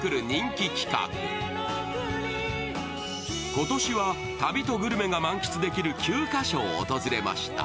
今年は旅とグルメが満喫できる９カ所を訪れました。